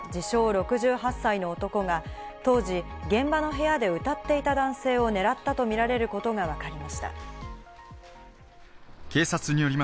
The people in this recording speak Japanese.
６８歳の男が、当時、現場の部屋で歌っていた男性を狙ったとみられることがわかりました。